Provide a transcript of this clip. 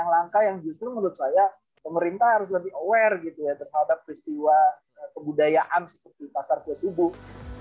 langkah yang justru menurut saya pemerintah harus lebih aware gitu ya terhadap peristiwa kebudayaan seperti pasar kue subuh